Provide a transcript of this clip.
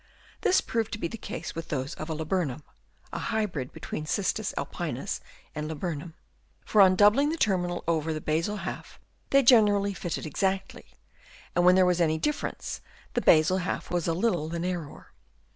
This proved to be the case with those of a laburnum (a hybrid between Cytisus alpinus and laburnum) for on doubling the terminal over the basal half, they gene rally fitted exactly ; and when there was any difference, the basal half was a little the narrower.